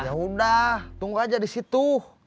yaudah tunggu aja disitu